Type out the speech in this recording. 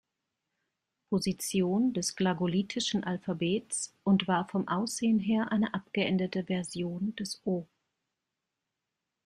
Position des glagolitischen Alphabets und war vom Aussehen her eine abgeänderte Version des О.